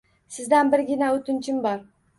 Sizdan birgina o`tinchim bor